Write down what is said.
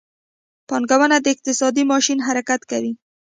پانګونه د اقتصاد ماشین حرکت کوي.